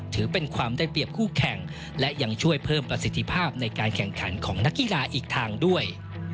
ถือเป็นความได้เปรียบคู่แข่งและยังช่วยเพิ่มประสิทธิภาพในการแข่งขันของนักกีฬาอีกทางด้วย